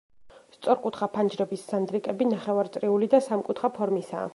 სწორკუთხა ფანჯრების სანდრიკები ნახევრაწრიული და სამკუთხა ფორმისაა.